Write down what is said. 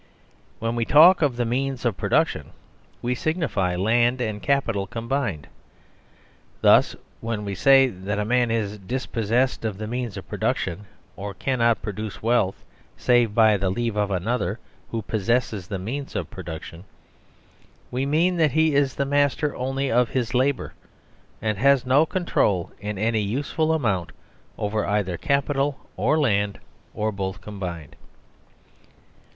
When we talk of the Means of Production we sig nify land and capital combined. Thus, when we say that a man is " dispossessed of the means of produc tion," or cannot produce wealth save by the leave of another who "possesses the means of production," we mean that he is the master only of his labour and has no control, in any useful amount, over either capital, or land, or both combined.